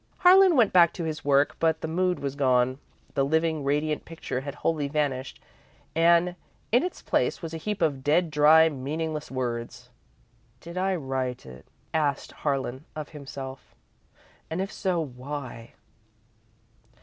Harlan went back to his work, but the mood was gone. The living, radiant picture had wholly vanished, and in its place was a heap of dead, dry, meaningless words. "Did I write it?" asked Harlan, of himself, "and if so, why?"